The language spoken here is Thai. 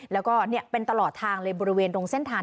แล้วก็เป็นตลอดทางเลยบริเวณตรงเส้นทาง